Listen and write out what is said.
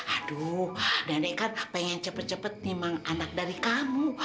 aduh nenek kan pengen cepet cepet nih memang anak dari kamu